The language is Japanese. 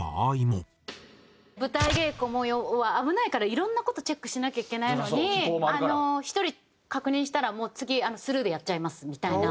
舞台稽古も危ないからいろんな事チェックしなきゃいけないのに１人確認したら次スルーでやっちゃいますみたいな。